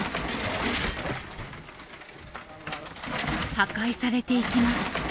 破壊されていきます。